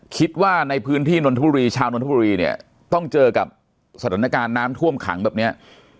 คิดว่าในพื้นที่นนทบุรีชาวนนทบุรีเนี่ยต้องเจอกับสถานการณ์น้ำท่วมขังแบบเนี้ย